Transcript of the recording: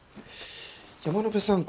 山野辺さん